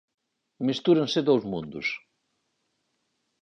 Mestúranse dous mundos.